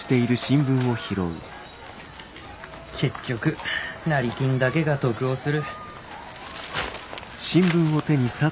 結局成金だけが得をする。